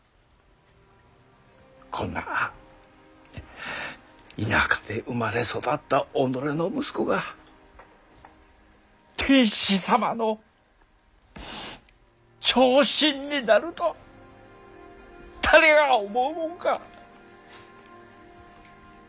こんな田舎で生まれ育った己の息子が天子様の朝臣になると誰が思うもんか。